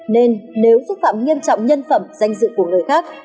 nên nếu xúc phạm nghiêm trọng nhân phẩm danh dự của người khác